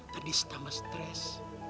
tadi setama stres